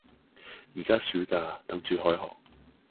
而家暑假，等住開學